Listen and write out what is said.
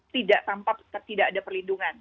tidak tampak tidak ada perlindungan